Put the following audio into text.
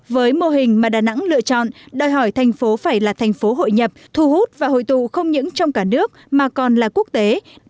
với mô hình mà đà nẵng lựa chọn đòi hỏi thành phố phải là thành phố hội nhập thu hút và hội tù không những trong cả nước mà còn là quốc tế